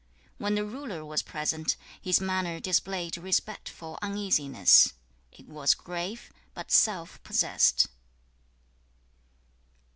2. When the ruler was present, his manner displayed respectful uneasiness; it was grave, but self possessed.